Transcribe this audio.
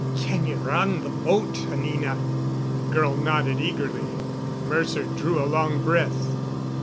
"Can you run the boat, Anina?" The girl nodded eagerly. Mercer drew a long breath.